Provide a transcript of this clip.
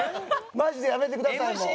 マジでやめてくださいもう。